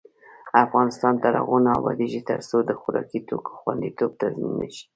افغانستان تر هغو نه ابادیږي، ترڅو د خوراکي توکو خوندیتوب تضمین نشي.